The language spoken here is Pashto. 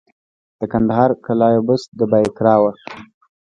د کندهار قلعه بست د بایقرا وه